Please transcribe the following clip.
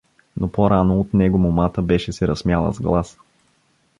Но по-рано от него момата беше се разсмяла с глас.